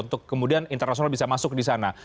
untuk kemudian internasional bisa masuk di sana